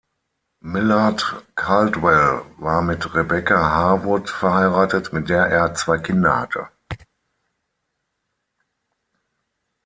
Millard Caldwell war mit Rebecca Harwood verheiratet, mit der er zwei Kinder hatte.